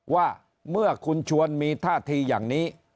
ว่าเมื่อคุณชวนมีท่าทีอย่างนี้